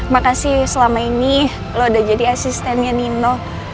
makasih selama ini lo udah jadi asistennya nino